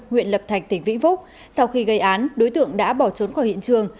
huyện lập thạch tỉnh vĩnh phúc sau khi gây án đối tượng đã bỏ trốn khỏi hiện trường